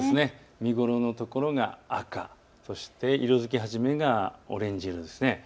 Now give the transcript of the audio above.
見頃の所が赤、そして色づき始めがオレンジ色です。